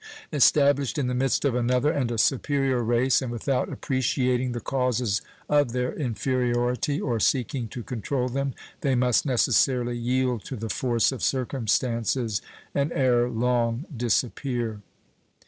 Established in the midst of another and a superior race, and without appreciating the causes of their inferiority or seeking to control them, they must necessarily yield to the force of circumstances and ere long disappear.